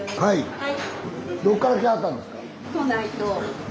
はい。